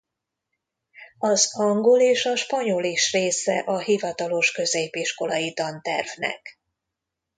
Az angol és a spanyol is része a hivatalos középiskolai tantervnek.